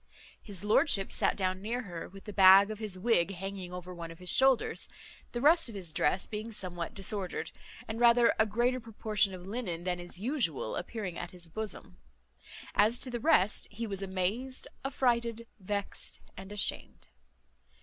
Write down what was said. His lordship sat down near her, with the bag of his wig hanging over one of his shoulders, the rest of his dress being somewhat disordered, and rather a greater proportion of linen than is usual appearing at his bosom. As to the rest, he was amazed, affrighted, vexed, and ashamed.